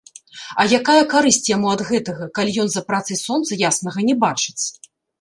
А якая карысць яму ад гэтага, калі ён за працай сонца яснага не бачыць?